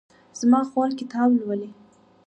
زما خور کتاب لولي